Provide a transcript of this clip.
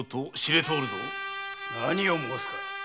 何を申すか！